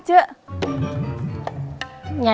tidak ada apa apa